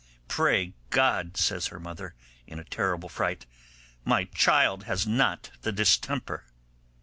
'Pray God', says her mother, in a terrible fright, 'my child has not the distemper!